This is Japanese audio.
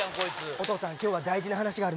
お父さん今日は大事な話がある。